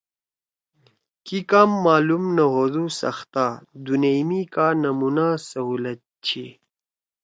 کی کام مالُوم نہ ہودُو سَختا۔ دُونِئ می کا نمُونا سَہُولت چھی۔